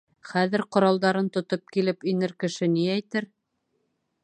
Хәҙер ҡоралдарын тотоп килеп инер кеше ни әйтер?